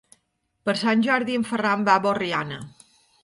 Per Sant Jordi en Ferran va a Borriana.